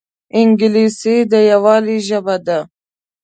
انګلیسي د یووالي ژبه ده